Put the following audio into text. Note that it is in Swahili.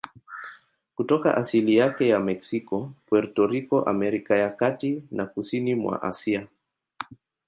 Kutoka asili yake ya Meksiko, Puerto Rico, Amerika ya Kati na kusini mwa Asia.